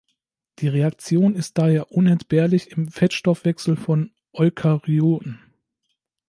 Die Reaktion ist daher unentbehrlich im Fettstoffwechsel von Eukaryoten.